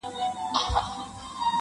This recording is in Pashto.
پوليس کار پای ته رسوي او ورو ورو وځي-